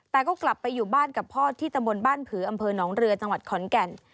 แต่ก็กลับไปอยู่บ้านกับพ่อที่ตำบลบ้านผืออำเภอหนองเรือจังหวัดขอนแก่น